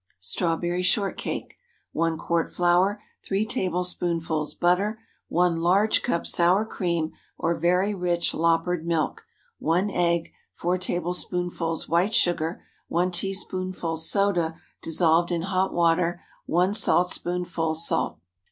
STRAWBERRY SHORTCAKE. ✠ 1 quart flour. 3 tablespoonfuls butter. 1 large cup sour cream or very rich "loppered" milk. 1 egg. 4 tablespoonfuls white sugar. 1 teaspoonful soda, dissolved in hot water. 1 saltspoonful salt.